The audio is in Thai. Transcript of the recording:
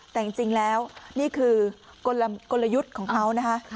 แต่จริงแล้วนี่คือกลยุทธ์ของเขานะคะ